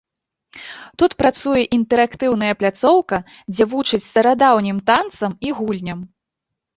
Тут працуе інтэрактыўная пляцоўка, дзе вучаць старадаўнім танцам і гульням.